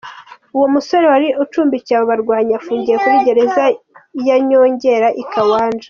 Uwo musore wari ucumbukiye abo barwanyi afungiye kuri gereza ya Nyongera, i Kiwanja.